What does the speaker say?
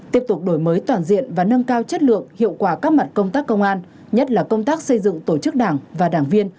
tiếp tục đổi mới toàn diện và nâng cao chất lượng hiệu quả các mặt công tác công an nhất là công tác xây dựng tổ chức đảng và đảng viên